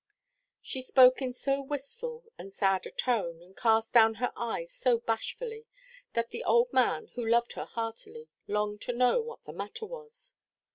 She spoke in so wistful and sad a tone, and cast down her eyes so bashfully, that the old man, who loved her heartily, longed to know what the matter was.